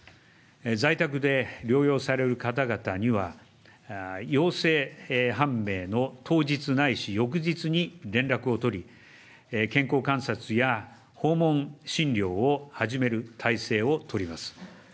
在宅で療養される方々には、陽性判明の当日ないし翌日に連絡を取り、健康観察や訪問診療を始める体制を取ります。